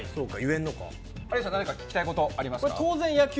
有吉さん聞きたいことありますか？